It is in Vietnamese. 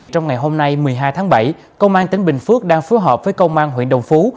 trong ngày hôm nay một mươi hai tháng bảy công an tỉnh bình phước đang phối hợp với công an huyện đồng phú